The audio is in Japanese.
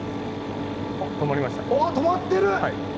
お、止まってる！